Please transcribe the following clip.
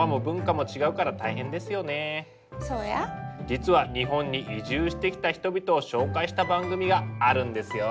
実は日本に移住してきた人々を紹介した番組があるんですよ。